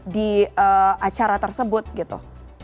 di acara tersebut gitu